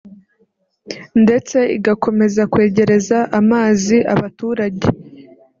ndetse igakomeza kwegereza amazi abaturage